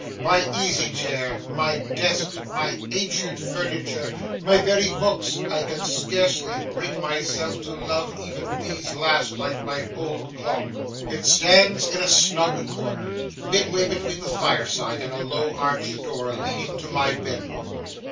My easy chair, my desk, my ancient furniture, my very books, I can scarcely bring myself to love even these last like my old clock. It stands in a snug corner, midway between the fireside and a low arched door leading to my bedroom.